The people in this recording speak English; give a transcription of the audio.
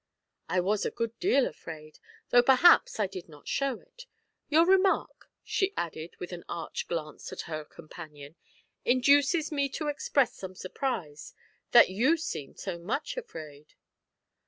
"I was a good deal afraid, though perhaps I did not show it. Your remark," she added, with an arch glance at her companion, "induces me to express some surprise that you seemed so much afraid."